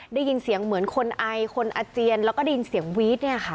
ได้ยินเสียงเหมือนคนไอคนอาเจียนแล้วก็ได้ยินเสียงวีดเนี่ยค่ะ